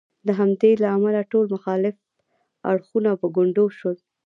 د همدې له امله ټول مخالف اړخونه په ګونډو شول.